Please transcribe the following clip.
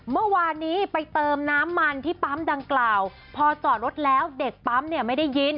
เมื่อวานนี้ไปเติมน้ำมันที่ปั๊มดังกล่าวพอจอดรถแล้วเด็กปั๊มเนี่ยไม่ได้ยิน